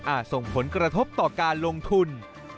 ส่งผลกระทบต่อการลงทุน